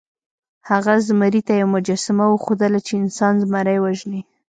هغه زمري ته یوه مجسمه وښودله چې انسان زمری وژني.